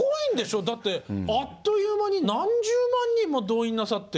だってあっという間に何十万人も動員なさって。